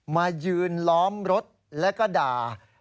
มายืนล้อมรถแล้วก็ด่า